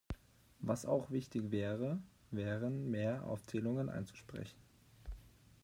Was auch wichtig wäre, wären mehr Aufzählungen einzusprechen.